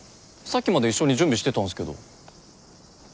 さっきまで一緒に準備してたんですけど。